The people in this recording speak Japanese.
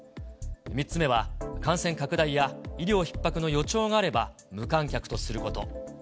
３つ目は感染拡大や医療ひっ迫の予兆があれば、無観客とすること。